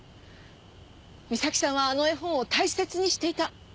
美咲さんはあの絵本を大切にしていた。